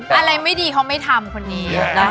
อะไรไม่ดีเขาไม่ทำคนนี้